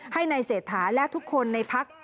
ให้ในเศรษฐาและทุกคนในภักดิ์